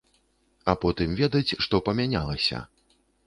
А потым ведаць, што памянялася.